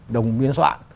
đồng biên soạn